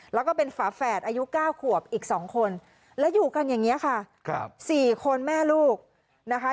แล้วก็เป็นฝาแฝดอายุ๙ขวบอีก๒คนและอยู่กันอย่างนี้ค่ะ๔คนแม่ลูกนะคะ